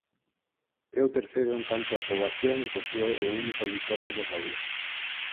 É o terceiro en canto a poboación e posúe o único heliporto do país.